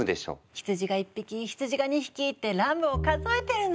羊が１匹羊が２匹ってラムを数えてるの。